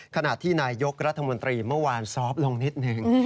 ขณะที่นายยกรัฐมนตรีเมื่อวานซอฟต์ลงนิดหนึ่ง